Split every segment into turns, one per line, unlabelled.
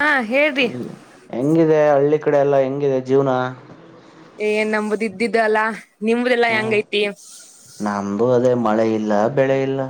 ಹಾ ಹೇಳ್ರಿ
ಹೆ ಹೆಂಗಿದೆ ಹಳ್ಳಿ ಕಡೆ ಎಲ್ಲಾ ಹೆಂಗಿದೆ ಜೀವನ-
ಏನ್ ನಂಬುದು ಇದ್ದಿದ್ದೆಲ್ಲಾ ನಿಮ್ದೆಲ್ಲಾ
ಹ
ಹೆಂಗೈತಿ
ನಮ್ದು ಅದೇ ಮಳೆ ಇಲ್ಲ ಬೆಳೆ ಇಲ್ಲ-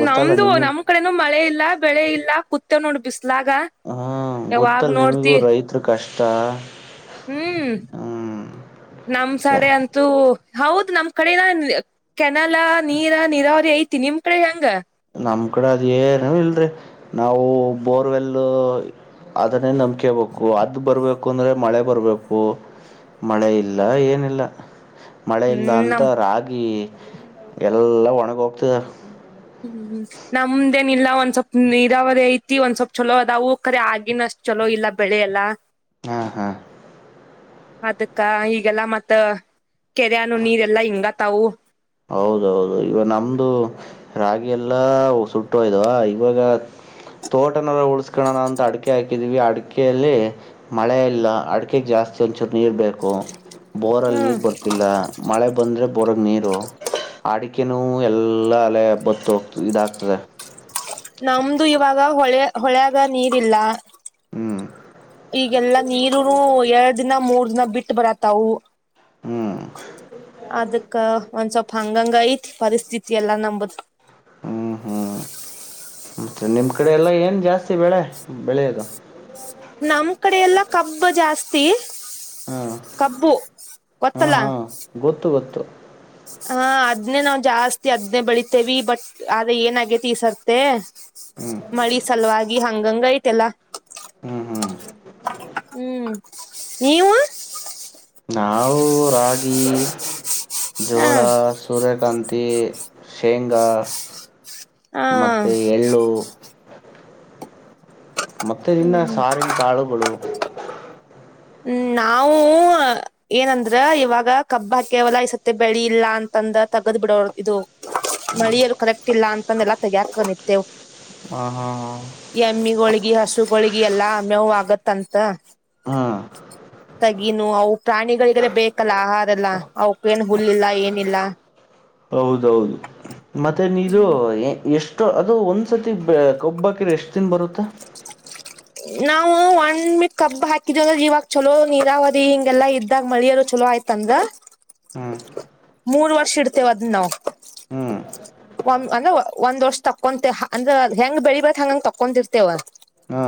ಗೊತ್ತಲ್ಲ
ನಮ್ದು
ನಿಮಗ
ನಮ್ ಕಡೆನು ಮಳೆ ಇಲ್ಲ ಬೆಳೆ ಇಲ್ಲ ಕೂತ್ತೇನ್ ನೋಡ್ ಬಿಸ್ಲಾಗ
ಹ್ಮು
ಯಾವಾಗ್
ಗೊತ್ತಲ್ಲ್
ನೋಡ್ತಿ
ನಿಮಗೂನು ರೈತ್ರು ಕಷ್ಟ
ಹ್ಮು
ಹ್ಮ್
ನಮ್ ಸಡೆ ಅಂತ್ ಂತು ಹೌದ್ ನಮ್ ಕಡೆನ ಕೆನಾಲಾ ನೀರ ನೀರಾವರಿ ಐತಿ ನಿಮ್ ಕಡೆ ಹೆಂಗ
ನಮ್ ಕಡೆ ಅದು ಏನು ಇಲ್ರಿ ನಾವು ಬೋರ್ವೆಲ್ಲು ಅದನ್ನೇ ನಂಬ್ಕೇಬೇಕು ಅದು ಬರ್ಬೇಕ್ ಅಂದ್ರೆ ಮಳೆ ಬರ್ಬೇಕು ಮಳೆ ಇಲ್ಲ ಏನಿಲ್ಲ ಮಳೆ ಇಲ್ಲ
ಹ್ಮ್
ಅಂತ
ನಮ್
ರಾಗಿ ಎಲ್ಲಾ ಒಣಗೋಗ್ತಿದೆ
ಹ್ಮ್ ಹ್ಮ್ ನಮ್ದೇನ್ ಇಲ್ಲ ಒಂದ್ ಸ್ವಲ್ಪ್ ನೀರಾವರಿ ಐತಿ ಒಂದ್ ಸ್ವಲ್ಪ್ ಚಲೋ ಅದವು ಕರೆ ಆಗಿನಷ್ಟ್ ಚಲೋ ಇಲ್ಲ ಬೆಳೆ ಎಲ್ಲ
ಹಾ ಹಾ
ಅದಕ್ಕ ಈಗೆಲ್ಲ ಮತ್ತೆ ಕೆರೆಯಾನು ನೀರೆಲ್ಲಾ ಹಿಂಗತ್ತವು
ಹೌದೌದು ಇಗ ನಮ್ದೂ ರಾಗಿ ಎಲ್ಲಾ ಸುಟ್ಟೋಯ್ದವ ಇವಾಗ ತೋಟನಲ್ಲ ಉಳ್ಸ್ಕಣ ನಂತ ಅಡಿಕೆ ಹಾಕಿದೀವಿ ಅಡಿಕೆಯಲ್ಲಿ ಮಳೆ ಇಲ್ಲ ಅಡಿಕೆಗೆ ಜಾಸ್ತಿ ಒಂಚೂರು ನೀರು ಬೇಕು. ಬೋರಲ್ಲಿ
ಹ್ಮ್
ನೀರು ಬರ್ತಿಲ್ಲ ಮಳೆ ಬಂದರೆ ಬೋರಗೆ ನೀರು ಅಡಿಕೆನೂ ಎಲ್ಲಾ ಅಲೆ ಬತ್ತು ಹೋಗ್ತ ಇದಾಗ್ತದೆ
ನಮ್ದು ಇವಾಗ ಹೊಳೆ ಹೊಳೆಗ ನೀರಿಲ್ಲ
ಹ್ಞೂ
ಈಗೆಲ್ಲಾ ನೀರು ಎರಡು ದಿನ ಮೂರ್ ದಿನ ಬಿಟ್ಟು ಬರತ್ತಾವು
ಹ್ಮ್
ಅದಕ್ಕ ಒಂದ್ ಸ್ವಲ್ಪ ಹಂಗಂಗ್ ಐತಿ ಪರಿಸ್ಥಿತಿ ಎಲ್ಲಾ ನಂಬುದು
ಹ್ಮ್ ಹ್ಮ್ ಮತ್ತೆ ನಿಮ್ಮ ಕಡೆ ಎಲ್ಲಾ ಏನ್ ಜಾಸ್ತಿ ಬೆಳೆ ಬೆಳೆಯೋದು
ನಮ್ ಕಡೆ ಎಲ್ಲಾ ಕಬ್ಬು ಜಾಸ್ತಿ
ಹಾಂ
ಕಬ್ಬು
ಹಾಂ
ಗೊತ್ತಲ್ಲ
ಹಾಂ ಗೊತ್ತು ಗೊತ್ತು
ಹಾ ಅದ್ನೇ ನಾವು ಜಾಸ್ತಿ ಅದ್ನೇ ಬೆಳಿತೇವಿ ಬಟ್ ಆದ ಏನಾಗೇತಿ ಈಸರ್ತೆ
ಹ್ಞೂ
ಮಳಿ ಸಲುವಾಗಿ ಹಂಗಂಗ್ ಐತೆಲ್ಲ
ಹ್ಮ್ ಹ್ಮ್
ಹ್ಮ್ ನೀವು
ನಾವು ರಾಗಿ
ಹ
ಜೋಳಾಸ್ ಸೂರ್ಯಕಾಂತಿ ಶೇಂಗಾ
ಹ
ಮತ್ತೆ ಎಳ್ಳು ಮತ್ತೆ ಇನ್ನ
ಹ್ಮ್
ಸಾರಿನ ಕಾಳುಗಳು.
ಹ್ಮ್ ನಾವು ಏನಂದ್ರೆ ಇವಾಗ ಕಬ್ಬ ಹಾಕವೇಲ್ಲ ಈ ಸತ್ತಿ ಬೆಳಿ ಇಲ್ಲಾ ಅಂತಂದ್ ತಗದ್ ಬಿಡೋರ್ ಇದು ಮಳಿಯರು ಕರೆಕ್ಟ್ ಇಲ್ಲ ಅಂತಂದೆಲ್ಲಾ ತೆಗಯಕ್ ನಿತ್ತೇವು
ಹಾ ಹಾ ಹಾ
ಎಮ್ಮಿಗಳೊಗಿ ಹಸುಗಳೊಗಿ ಎಲ್ಲಾ ಮೇವು ಆಗುತ್ತಂತ
ಹಾ
ತಗೀನು ಅವು ಪ್ರಾಣಿಗಳಿಗೆಲ್ಲೇ ಬೇಕಲ್ಲ ಆಹಾರ ಎಲ್ಲಾ ಅವಕ್ಕ ಏನ್ ಹುಲ್ಲಿಲ್ಲ ಏನಿಲ್ಲ.
ಹೌದೌದು ಮತ್ತೆ ನೀದು ಎಷ್ಟ್ ಷ್ಟು ಅದು ಒಂದು ಸತಿ ಕೊಬ್ಬಾಕಿರೆ ಎಷ್ಟು ದಿನ ಬರುತ್ತೆ.
ನಾವು ಒಣ್ ಮಿ ಕಬ್ ಹಾಕಿದ್ವ ಇವಾಗ ಚಲೋ ನೀರಾವರಿ ಹಿಂಗೆಲ್ಲಾ ಇದ್ದಾಗ ಮಳಿಯೋ ಚಲೋ ಆಯ್ತ್ ತ್ತಾಂದ್ರೆ
ಹಾ
ಮೂರ್ ವರ್ಷ ಇಡ್ತೇವ್ ಅದ್ನ ನಾವು.
ಹ್ಮ್
ಒ ಅಂದ್ರೆ ಒಂದ್ ವರ್ಷ ತಕೊಂತೇ ಅಂದ್ರೆ ಹೆಂಗ ಬೆಳಿಬೇಕ್ ಹಂಗಂಗ ತಕೊಂತಿರ್ತೆೇವ.
ಹಾ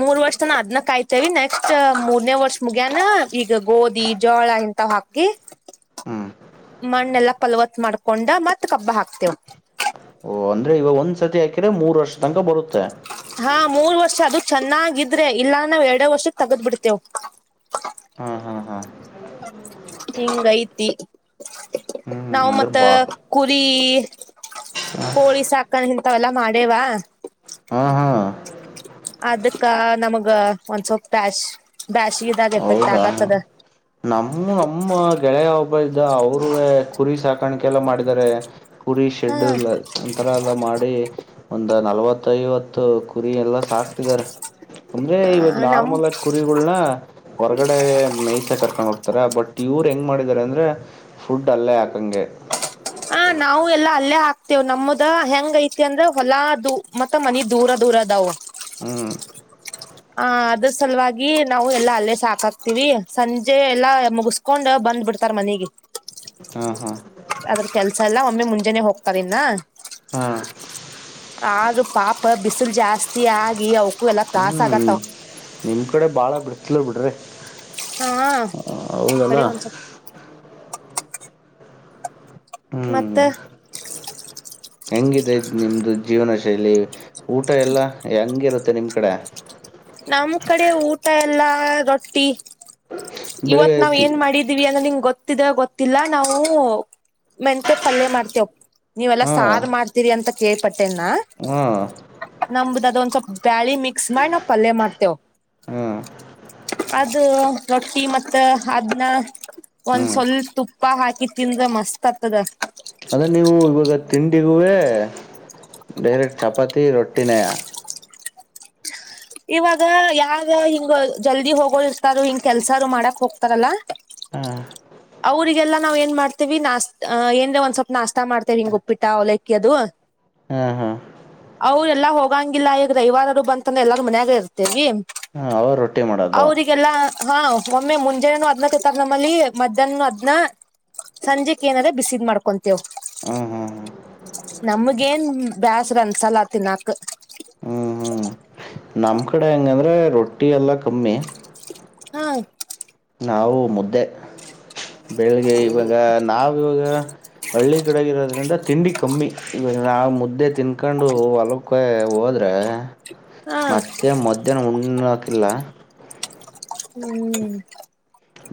ಮೂರ್ ವರ್ಷ ತಾನ ಅದನ್ನ ಕಾಯ್ತೇವಿ ನೆಕ್ಸ್ಟ್ ಮೂರನೇ ವರ್ಷ ಮುಗ್ಯಾನ ಈಗ ಗೋಧಿ ಜೋಳ ಇಂತವ್ ಹಾಕ್ ಕಿ
ಹ್ಮ್
ಮಣ್ಣೆಲ್ಲಾ ಫಲವತ್ ಮಾಡ್ಕೊಂಡ ಮತ್ ಕಬ್ಬ ಹಾಕ್ತೆೇವ.
ಓ ಅಂದ್ರೆ ಈಗ ಒಂದು ಸತಿ ಹಾಕಿದ್ರೆ ಮೂರ್ ವರ್ಷ ತನಕ ಬರುತ್ತೆ.
ಹಾ ಮೂರು ವರ್ಷ ಅದು ಚೆನ್ನಾಗಿದ್ರೆ ಇಲ್ಲಾ ನಾವು ಎರಡೇ ವರ್ಷಕ್ಕೆ ತಗದ್ ಬಿಡ್ತೇವ್
ಹಾ ಹಾ ಹ
ಹಿಂಗ್ ಐತಿ
ಹ್ಮ್
ನಾವು
ಹಂಗ್ರ
ಮತ್ತ
ಬಾ
ಕುರಿ ಕೋಳಿ ಸಾಕಣೆ ಇಂತವೆಲ್ಲಾ ಮಾಡೇವಾ.
ಹಾ ಹಾ
ಅದಕ್ಕ ನಮಗ ಒಂದ್ಸೊಪ್ ಬ್ಯಾಶ್ ಬ್ಯಾಸಗಿ ಇದಾಗ.
ಹೌದಾ ನಮ್ಮ ನಮ್ಮ ಗೆಳೆಯ ಒಬ್ಬ ಇದ್ದ ಅವರುವೆ ಕುರಿ ಸಾಕಾಣಕೆಲ್ಲ ಮಾಡಿದ್ದಾರೆ. ಕುರಿ
ಹಾ
ಶೆಡ್ ಒಂತರ ಎಲ್ಲ ಮಾಡಿ. ಒಂದ ನಲ್ವತ್ತ, ಐವತ್ತು ಕುರಿ ಎಲ್ಲಾ ಸಾಕ್ತಿದಿದ್ದಾರೆ ಅಂದ್ರೆ ಇವಾಗ
ನಮ್
ನಾರ್ಮಲ್ ಆಗಿ ಕುರಿಗಳನ್ನ ಹೊರ್ಗಡೆ ಮೇಯ್ಸ ಕರ್ಕೊಂಡು ಹೋಗ್ತಾರೆ. ಬಟ್ ಇವ್ರು ಹೆಂಗ ಮಾಡಿದ್ದಾರೆ ಅಂದರೆ. ಫುಡ್ ಅಲ್ಲೇ ಹಾಕಂಗೆ.
ಹ ನಾವು ಎಲ್ಲಾ ಅಲ್ಲೇ ಹಾಕ್ತೇವ ನಮದ ಹೆಂಗ್ ಐತಿ ಅಂದ್ರೆ ಹೊಲಾ ದೂ ಮತ್ತ ಮನಿ ದೂರ ದೂರದಾವ.
ಹ್ಮ್
ಹ ಅದ್ರ ಸಲುವಾಗಿ ನಾವು ಎಲ್ಲಾ ಅಲ್ಲೇ ಸಾಕಾಕ್ತಿವಿ. ಸಂಜೆ ಎಲ್ಲಾ ಮುಗಿಸಿ ಕೊಂಡ್ ಬಂದ್ ಬಿಡ್ತಾರೇ ಮನೆಗೆ.
ಹಾ ಹಾ
ಅದ್ರ ಕೆಲ್ಸ ಎಲ್ಲ ಒಮ್ಮೆ ಮುಂಜೆನನೆ ಹೋಗ್ತಾರೇ ಇನ್ನ
ಹಾ
ಆದ್ರೂ ಪಾಪ ಬಿಸಿಲು ಜಾಸ್ತಿ ಆಗಿ ಅವಕು ಎಲ್ಲಾ ತ್ರಾಸ್ ಅಗತಾವ್.
ನಿಮ್ಮ ಕಡೆ ಬಾಳ ಬಿಸಲು ಬಿಡ್ರಿ.
ಹಾ
ಹೌದಲ್ಲ
ಬರೀ ಒಂದು ಸ್ವಲ್ಪ. ಮತ್ತೆ
ಹ್ಮ್ ಹೆಂಗಿದೆ ನಿಮ್ದು ಜೀವನ ಶೈಲಿ ಊಟ ಎಲ್ಲಾ ಹೆಂಗಿರುತ್ತೆ ನಿಮ್ ಕಡೆ.
ನಮ ಕಡೆ ಊಟ ಎಲ್ಲಾ ರೊಟ್ಟಿ
ಬೆಳಿಗ್ಗೆ
ಇವತ ನಾವ
ತಿ
ಏನ್ ಮಾಡಿದ. ದ್ವಿ ಅಂದ ನಿಂಗ ಗೊತ್ತಿದೆ ಗೊತ್ತಿಲ್ಲ ನಾವು. ಮೆಂತೆ ಪಲ್ಯ ಮಾಡ್ತವಪ್ಪ ನೀವೆಲ್ಲಾ
ಹಾ
ಸಾರು ಮಾಡ್ತೀರಿ ಅಂತ ಕೇಳ್ಪಟ್ಟೇನ.
ಹಾ
ನಮ್ದ ಅದ ಒಂದ ಸ್ವಲ್ಪ್ ಬ್ಯಾಳಿ ಮಿಕ್ಸ್ ಮಾಡಿ ನಾವು ಪಲ್ಯ ಮಾಡ್ತೇವ.
ಹಾ
ಅದು ರೊಟ್ಟಿ, ಮತ್ತ ಅದನ್ನ ಒಂದ
ಹ್ಮ್
ಸ್ವಲ್ಪ ತುಪ್ಪ ಹಾಕಿ ತಿಂದ್ರೆ ಮಸ್ತ್ ಆಗ್ತದ.
ಅದರೆ ನೀವು ಇವಾಗ ತಿಂಡಿಗುವೇ ಡೈರೆಕ್ಟ್ ಚಪಾತಿ ರೊಟ್ಟಿನೇ
ಇವಾಗ ಯಾವ ಹಿಂಗ ಜಲ್ದಿ ಹೋಗೋ ಇರ್ತಾರ ಹಿಂಗ್ ಕೆಲ್ಸಾರರು ಮಾಡಕ್ ಹೋಗ್ತಾರಲ್ಲ.
ಹಾ
ಅವರಿಗೆಲ್ಲ ನಾವು ಏನ್ ಮಾಡ್ತೀವಿ ನಷ್ಟಾ ಏನರೇ ಒಂದ್ ಸ್ವಲ್ಪ ನಾಷ್ಟ ಮಾಡ್ತೇವೆ ಹಿಂಗ ಉಪ್ಪಿಟ್ಟ, ಅವಲಕ್ಕಿ ಅದು
ಹಾ ಹಾ
ಅವ್ರು ಎಲ್ಲಾ ಹೋಗಂಗಿಲ್ಲ ಈಗ ರವಿವಾರದು ಬಂತಂದೆ ಎಲ್ಲಾರ ಮನ್ಯಾಗ ಇರ್ತೇವಿ..
ಹಾ ಅವ್ರ ರೊಟ್ಟಿ ಮಾಡೋದು
ಅವರಿಗೆಲ್ಲಾ ಹಾ ಒಮ್ಮೆ ಮುಂಜಾನೇನು ಅದ್ನ ತಿಂತಾರೆ ನಮ್ಮಲ್ಲಿ ಮಧ್ಯಾಹ್ನನು ಅದ್ನ. ಸಂಜೆಕ್ ಏನ್ರ ಬಿಸಿದ್ ಮಾಡ್ಕೊಂತೇವ.
ಹಾ ಹಾ ಹಾ
ನಮಗೇನ್ ಬ್ಯಾಸರ ಅನ್ನಿಸಲ್ಲ ತಿನ್ನಾಕ.
ನಮ್ಮ ಕಡೆ ಹೆಂಗಂದ್ರರೆ ರೊಟ್ಟಿ ಎಲ್ಲ ಕಮ್ಮಿ.
ಹಾ
ನಾವು ಮುದ್ದೆ ಬೆಳಿಗ್ಗೆ ಇವಾಗ ನಾವ ಇವಾಗ. ಹಳ್ಳಿ ಕಡೆಗ ಇರೋದ್ರಿಂದ ತಿಂಡಿ ಕಮ್ಮಿ ಇವಾಗ ನಾವು ಮುದ್ದೆ ತಿನ್ಕೊಂಡು ಹೊಲ. ಹೊಲಕ್ಕೆ ಹೋದ್ರೆ
ಹ
ಮತ್ತೆ ಮಧ್ಯಾಹ್ನ ಉಣಕಿಲ್ಲ.
ಹ್ಮ್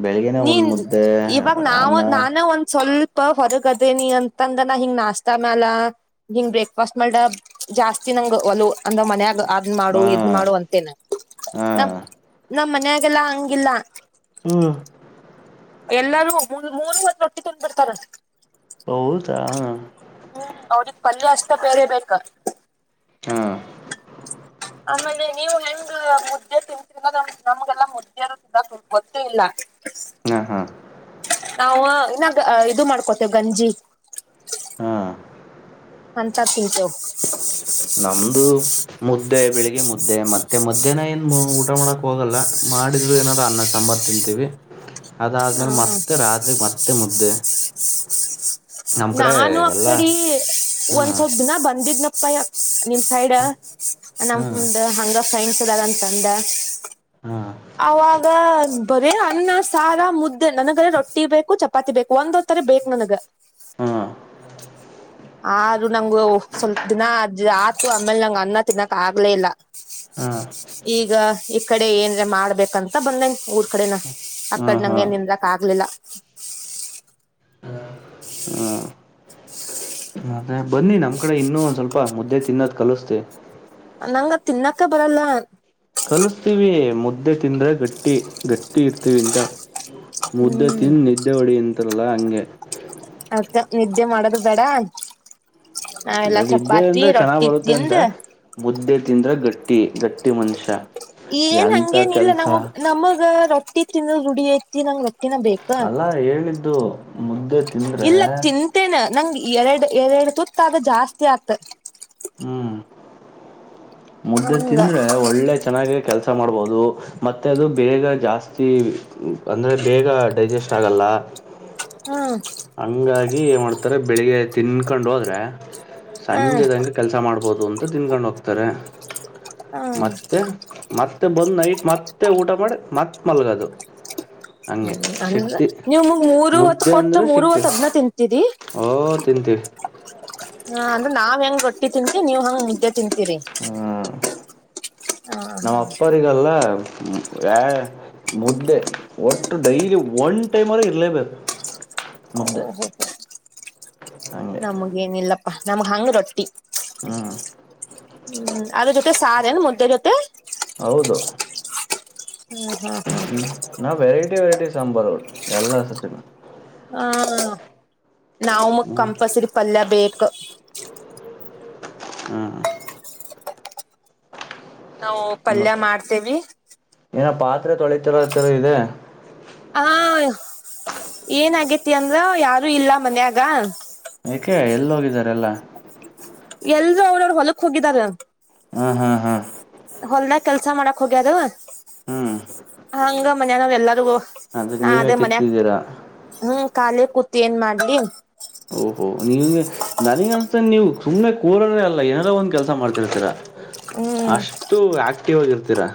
ಬೆಳಿಗ್ಗೆನೆ
ನೀನ
ಒಂದು ಮುದ್ದೆ
ಇವಾಗ ನಾವವು
ಅನ್ನ
ನಾನ ಒಂದ ಸ್ವಲ್ಪ. ಪ್ಪ ಹೊರಕ್ ಅದೇನಿ ಅಂತಂದನ ಹಿಂಗ ನಾಸ್ಟ್ ಮ್ಯಾಲ. ಹಂಗ್ ಬ್ರೇಕ್ಫಾಸ್ಟ್ ಮಡ ಜಾಸ್ತಿ ನಂಗ್ ಒಲ ಅಂದ್ರ ಮನ್ಯಾಗ. ಅದ ಮಾಡು
ಹಾ
ಇದನ ಮಾಡು ಅಂತೇನ
ಹಾ
ನಮ ನಮ್ ಮನ್ಯಾಗೆಲ್ಲಾ ಹಂಗಿಲ್ಲ.
ಹ್ಮ್
ಎಲ್ಲರೂ ಮೂರು ಹೊತ್ತು ರೊಟ್ಟಿ ತಂದ್ಬಿಡ್ತಾರ
ಹೌದಾ.
ಹ್ಮ್ ಅವ್ರಿಗೆ ಪಲ್ಯ ಅಷ್ಟ ಬೇರೆ ಬೇಕಾ.
ಹಾ
ಆಮೇಲೆ ನೀವು ಹೆಂಗ್ ಮುದ್ದೆ ತಿಂತೀರ ನಮ್ಗೆಲ್ಲ ಮುದ್ದ್ಯರು ತಾ. [inaudible] ಗೊತ್ತೇ ಇಲ್ಲ
ಹಾ ಹಾ.
ನಾವು ಇನ್ನಾ ಇದು ಮಾಡ್ಕೊತೇವೆ ಗಂಜಿ.
ಹಾ.
ಅಂತ ತಿಂಕೊ [inaudible]
ನಮ್ಮದುು ಮುದ್ದೆ ಬೆಳಿಗ್ಗೆ ಮುದ್ದೆ ಮತ್ತೆ ಮಧ್ಯಾನ ಏನು ಊಟ ಮಾಡಕ ಹೋಗಲ್ಲ ಮಾಡಿದ್ರು ಏನಾರ ಅನ್ನ ಸಾಂಬಾರ್. ತಿಂತೀವಿ ಅದಾದ್ಮೇಲೆ
ಹ
ಮತ್ತೆ ರಾತ್ರಿ ಮತ್ತೆ ಮುದ್ದೆ. ನಮ್ಮ ಕಡೆ
ನಾನು
ಎಲ್ಲ
ಅಕ್ಕಡಿ ಒಂದ
ಹಾಂ
ಸ್ವಲ್ಪ ದಿನ ಬಂದಿದ್ನಪ್ಪಯ್ಯ. ನಿಮ್ ಸೈಡ್ ನಮ
ಹಾಂ
ಹಂಗ ಫ್ರೆಂಡ್ಸ್ ಎದಾರಂತ ಅಂದ.
ಹಾ
ಅವಾಗ ಬರೀ ಅನ್ನ, ಸಾರ, ಮುದ್ದೆ, ನನಗರೆ ರೊಟ್ಟಿ ಬೇಕು ಚಪತಿ ಚಪಾತಿ ಬೇಕು ಒಂದ ಹೊತ್ತುರೇ ಬೇಕ ನನಗ
ಹಾಂ
ಆದ್ರೂ ನಂಗು ಸ್ವಲ್ಪ ದಿನ ಆತು ಆಮೇಲೆ ನಂಗ ಅನ್ನ ತಿನ್ನಕ್ ಆಗ್ಲೇ ಇಲ್ಲ
ಹಾಂ
ಈಗ ಈ ಕಡೆ ಏನ್ರಿ ಮಾಡ್ಬೇಕಂತ ಬಂದನ್ ಊರ್ ಕಡೆನ
ಹಾಂ
ಅಕ್ಕಡ್ ನಂಗೆ
ಹಾಂ
ಏನ್ ನಿನ್ಲಕ್ ಆಗ್ಲಿಲ್ಲ. [inaudible]
ಹ್ಮ. ಅ ಬನ್ನಿ ನಮ್ಮ ಕಡೆ ಇನ್ನೂ ಒಂದು ಸ್ವಲ್ಪ ಮುದ್ದೆ ತಿನ್ನೋದು ಕಲಿಸ್ತಿವಿ.
ನಂಗ ತಿನ್ನಕ್ಕ ಬರಲ್ಲ.
ಕಲಸ್ತೀವಿ ಮುದ್ದೆ ತಿಂದ್ರೆ ಗಟ್ಟಿ ಗಟ್ಟಿ ಇರ್ತೀವಿ ಅಂತ. ಮುದ್ದೆ
ಹ್ಮ್
ತಿಂದು ನಿದ್ದವಡಿಯಂತರಲ್ಲ ಅಂಗೇ
ಅದ ನಿದ್ದೆ ಮಾಡದು ಬೇಡ ನಾವೆಲ್ಲ
ಅಂದ್ರೆ ಅದು ಇದ್ದೇ
ಚಪಾತಿ
ಅಂದ್ರೆ ಚೆನ್ನಾಗ್
ರೊಟ್ಟಿ
ಬರುತ್ತೆ
ತಿಂದ
ಅಂತ ಮುದ್ದೆ ತಿಂದ್ರೆ ಗಟ್ಟಿ ಗಟ್ಟಿ ಮನುಷ್ಯ.
ಏನ್
ಎಂತ
ಹಂಗೇನ್ ಇಲ್ಲ
ಕೆಲ್ಸ
ನಮ್ ನಮಗ ರೊಟ್ಟಿ ತಿನ್ನೋದು ರೂಡಿ ಐತಿ ನಂಗ
ಅಲ್ಲ ಹೇಳಿದ್ದು ಮುದ್ದೆ ತಿಂದ್ರೆ
ಇಲ್ಲ ತಿಂತೇನೆ ನಂಗ ಎರಡು ಎರಡು ತುತ್ತಾಗ ಜಾಸ್ತಿ ಆತ್
ಹ್ಮ್. ಮುದ್ದೆ
ಹಂಗ
ತಿಂದ್ರೆ ಒಳ್ಳೆ ಚೆನ್ನಾಗಿ ಕೆಲಸ ಮಾಡ್ಬೋದು ಮತ್ತೆ ಅದು ಬೇಗ ಜಾಸ್ತಿ ಅಂದರೆ ಬೇಗ ಡೈಜೆಸ್ಟ್ ಆಗಲ್ಲ.
ಹ್ಹಾ.
ಹಂಗಾಗಿ ಏನ್ ಮಾಡ್ತಾರೆ ಬೆಳಿಗ್ಗೆ ತಿನ್ಕೊಂಡು ಹೋದರೆ
ಹ್ಮ್
ಸಂಜೆದಂಗೆ ಕೆಲಸ ಮಾಡ್ಬೋದು ಅಂತ ತಿನ್ಕೊಂಡು ಹೋಗ್ತಾರೆ
ಹ್ಮ್
ಮತ್ತೆ ಮತ್ತೆ ಬಂದು ನೈಟ್ ಮತ್ತೆ ಊಟ ಮಾಡಿ ಮತ್ತ ಮಲಗೋದು.
ಹಂಗ ನಿಮಗ್ ಮೂರವತ್ ಕೊಟ್ರ ಮೂರವತ್ತು ಅದ್ನ ತಿಂತಿರೀ [inaudible]
ಹೋ ತಿಂತೀವಿ.
ಹಾ ಅಂದ್ರೆ ನಾವ್ ಹೆಂಗ ರೊಟ್ಟಿ ತಿಂತೀ ನೀವ್ ಹಂಗ್ ಮುದ್ದೆ ತಿಂತೀರಿ.
ಹ್ಹಾ
ಹ
ನಮ್ಮ್
ಹಾ
ಅಪ್ಪರಿಗಲ್ಲ [inaudible] ಮುದ್ದೆ ಒಟ್ಟು ಡೈಲಿ ಒನ್ ಟೈಮ್ ರ ಇರಲೇಬೇಕು. ಮುದ್ದೆ
ಓಹೋ
ಹಂಗೆ
ನಮಗ ಏನಿಲ್ಲಪ್ಪಾ ನಮ್ಗ್ ಹಂಗ ರೊಟ್ಟಿ.
ಹ್ಮ್
ಹ್ಮ್ ಅದರ ಜೊತೆ ಸಾರ್ ಎನು ಮುದ್ದೆ ಜೊತೆ.
ಹೌದು.
ಹ್ಮ ಹ್ಮ್.
ಹ್ಮ್ ನಾವು ವೆರೈಟಿ ವೆರೈಟಿ ಸಾಂಬಾರು ಎಲ್ಲಾ ಸತೀನೂ.
ಹ್ಹಾ ನಾವ ಮಕ್
ಹ್ಮ್
ಕಂಪಲ್ಸರಿ ಪಲ್ಯ ಬೇಕು.
ಹ್ಮ್.
ನಾವು ಪಲ್ಯ ಮಾಡ್ತೇವಿ
ಏನೋ ಪಾತ್ರೆ ತೊಳಿತಿರೋ ತರ ಇದೆ.
ಹ ಏನ ಆಗೇತಿ ಅಂದ್ರೆ ಯಾರು ಇಲ್ಲ ಮನ್ಯಾಗ
ಏಕೆ ಎಲ್ಲಿ ಹೋಗಿದ್ದಾರೆ ಎಲ್ಲಾ.
ಎಲ್ಲರೂ ಅವವರು ಹೊಲಕ್ ಹೋಗಿದ್ದಾರೆ.
ಹ್ ಹೊ.
ಹೊಲ್ದಗ ಕೆಲಸ ಮಾಡಕ್ ಹೋಗ್ಯಾರು
ಹ್ಮ್
ಹಂಗ ಮನ್ಯನಾಗ್ ಎಲ್ಲರಿಗೂ
ಅದಕ್
ನಾ
ನೀವೇ
ಅದೇ ಮನ್ಯಕ್
ತಿಕ್ತಿದ್ದೀರಾ
ಹ್ಮ್ ಖಾಲಿ ಕೂತ್ ಏನ್ ಮಾಡ್ಲಿ.
ಓ ನೀಗೆ ನನಗ ಅನಸ್ದಾಂಗೆ ನೀವು ಸುಮ್ನೆ ಕೋರೋರೆ ಅಲ್ಲ ಏನಾರೋ ಒಂದ್ ಕೆಲಸ ಮಾಡ್ತಿರ್ತೀರಾ.
ಹ್ಮ್
ಅಷ್ಟು ಆಕ್ಟಿವ್ ಆಗಿರ್ತೀರಾ.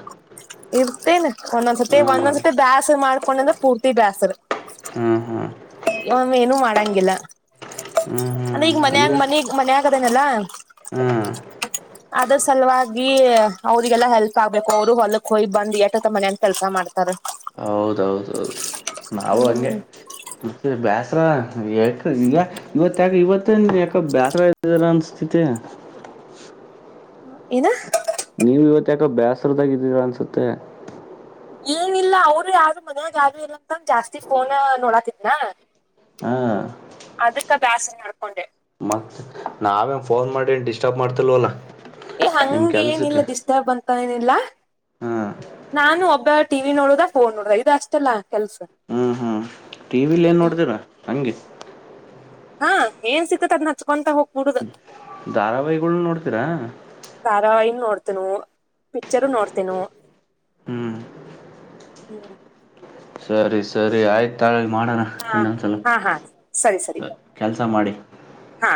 ಮೇನ್ ಒಂದೊಂದ್ಸ್ ಸತಿ
ಹ್ಮ್
ಒಂದೊಂದ್ಸತಿ ಬ್ಯಾಸರ್ ಮಾಡ್ಕೊಂಡಂದ್ರೆ ಪೂರ್ತಿ ಬ್ಯಾಸರ
ಹಾಂ ಹಾಂ
ಅಮ್ಮ ಏನೂ ಮಾಡಂಗಿಲ್ಲ
ಹ್ಮ್
ಅಂದ್ರೆ ಈಗ
ಹ್ಮ್
ಮನ್ ಆಗ ಮನಗ್ ಮನ್ ಆಗದೇನಲ್ಲಾ.
ಹ್ಮ.
ಅದ್ರ ಸಲುವಾಗಿ ಅವ್ರಿಗೆಲ್ಲಾ ಹೆಲ್ಪ್ ಆಗ್ಬೇಕು ಅವರು ಹೊಲಕ್ ಹೋಗಿ ಬಂದ್ ಎಟು ಅಂತ ಮನೆಲಿ ಕೆಲಸ ಮಾಡ್ತಾರೆ. [unintelligible]
ಹೌದೌದೌದು ನಾವು ಹಂಗೆ.
ಹ್ಮ್
ಬ್ಯಾಸರ ಯಾಕ್ ಈಗೆ ಇವತ್ತ್ ಯಾಕ ಇವತ್ತ್ ನೀ ಯಾಕ ಬ್ಯಾಸರ ಇದಾರ ಅನ್ಸ್ತತಿ
ಏನೋ
ನೀವು ಇವತ್ ಯಾಕೋ ಬೇಸರದಾಗ ಇದದ್ದೀರಾ ಅನ್ಸುತ್ತೆ.
ಏನಿಲ್ಲ ಅವರು ಯಾರು ಮನ್ಯಾಗ ಯಾರು ಇಲ್ಲ ಅಂತಂದ ಜಾಸ್ತಿ ಪೋನ ನೋಡಾತಿದ್ನಾ
ಹಾ
ಅದಕ್ಕ ಬ್ಯಾಸರ್ ಮಾಡ್ಕೊಂಡೆ
ಮ ನಾವೇನು ಪೋನ್ ಮಾಡಿ ಡಿಸ್ಟಾರ್ಬ್ ಮಾಡ್ತಿಲ್ವಲ್ಲ.
ಏ
ನಿಮ್
ಹಂಗೆ ಏನಿಲ್ಲ
ಕೆಲ್ಸಕ್ಕೆ
ಡಿಸ್ಟಾರ್ಬ್ ಅಂತ ಏನಿಲ್ಲ
ಹಾ
ನಾನು ಒಬ್ಬ್ ಟಿವಿ ನೋಡದ ಫೋನ್ ನೋಡದ ಇದು ಅಷ್ಟೇ ಅಲ್ಲ ಕೆಲಸ
ಟಿವಿ ಅಲ್ಲಿ ಏನ್ ನೋಡ್ತೀರಾ ಹಂಗೆ
ಹಾ ಏನ್ ಸಿಕ್ತ್ ಅದ್ನ ಅಚ್ಕೊಂತಾ ಹೋಗ್
ಧಾರಾವಹಿಗಳನ್ನೂ ನೋಡ್ತೀರಾ.
ಧಾರಾವಾಹಿನ ನೋಡ್ತೀನು ಪಿಕ್ಚರ್ ನೋಡ್ತೀನು
ಹ್ಮ್
ಹ್ಮ್
ಸರಿ ಸರಿ ಆಯ್ತು ತಾಳಿ ಮಾಡೋಣ
ಹಾ
ಇನ್ನೊಂದ್ಸಲ
ಹಾ ಹಾ ಸರಿ ಸರಿ
ಕೆಲಸ ಮಾಡಿ.
ಹಾ